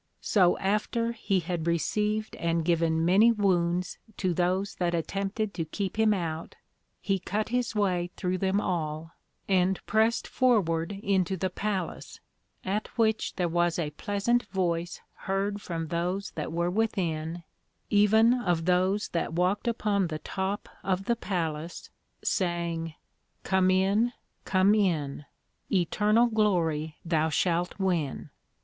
So after, he had received and given many wounds to those that attempted to keep him out, he cut his way through them all, and pressed forward into the Palace, at which there was a pleasant voice heard from those that were within, even of those that walked upon the top of the Palace, saying, Come in, Come in; Eternal Glory thou shalt win.